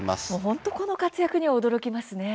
本当、この活躍には驚きますね。